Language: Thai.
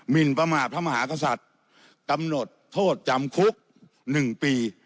นประมาทพระมหากษัตริย์กำหนดโทษจำคุก๑ปี